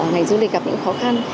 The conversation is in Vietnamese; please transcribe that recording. ngành du lịch gặp những khó khăn